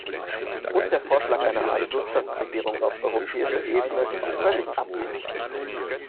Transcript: Und der Vorschlag einer Art Wirtschaftsregierung auf europäischer Ebene ist völlig abwegig.